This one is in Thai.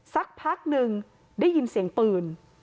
สักพักหนึ่งได้ยินเสียงปืน